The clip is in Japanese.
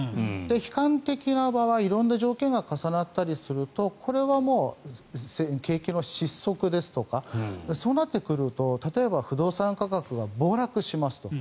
悲観的な場合色んな条件が重なったりするとこれはもう、景気の失速ですとかそうなってくると例えば不動産価格が暴落しますと。